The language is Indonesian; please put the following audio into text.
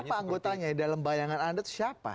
siapa anggotanya ya dalam bayangan anda itu siapa